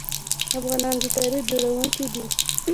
افغانان د تاریخ جوړونکي دي.